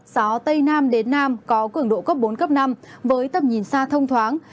gió tây nam đến nam có cường độ cấp bốn cấp năm với tầm nhìn xa thông thoáng